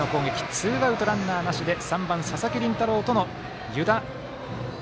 ツーアウト、ランナーなしで３番、佐々木麟太郎との湯田。